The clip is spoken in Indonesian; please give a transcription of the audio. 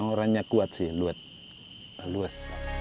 orangnya kuat sih luwes